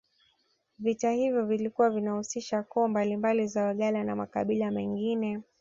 Vita hivyo vilikuwa vinahusisha koo mbalimbali za Wagala na makabila mengine